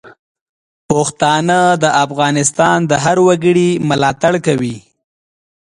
پښتانه د افغانستان د هر وګړي ملاتړ کوي.